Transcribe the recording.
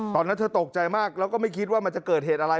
ตอนนั้นเธอตกใจมากแล้วก็ไม่คิดว่ามันจะเกิดเหตุอะไร